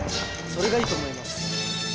それがいいと思います